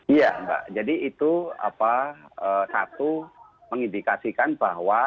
iya mbak jadi itu satu mengindikasikan bahwa